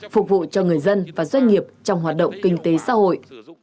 phục vụ cho người dân và doanh nghiệp trong hoạt động kinh tế xã hội